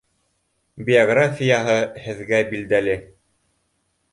Биографияһы һеҙгә билдәле